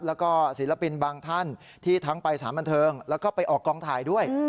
แล้วก็ศิลปินบางท่านที่ทั้งไปสารบันเทิงแล้วก็ไปออกกองถ่ายด้วย